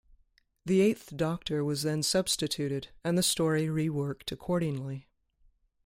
The Eighth Doctor was then substituted and the story reworked accordingly.